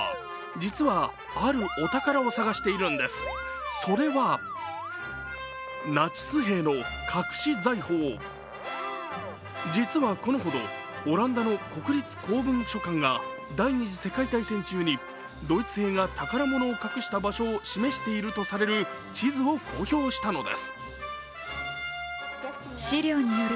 実は、あるお宝を探しているんですそれは実はこのほど、オランダの国立公文書館が第二次世界大戦中にドイツ兵が宝物を隠した場所を示しているとされる地図を公表したのです。